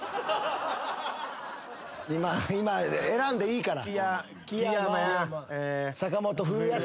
選んでいいから。